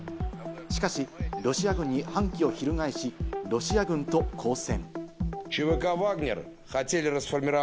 しかしロシア軍に反旗を翻し、ロシア軍と交戦。